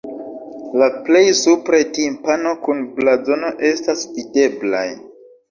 La plej supre timpano kun blazono estas videblaj.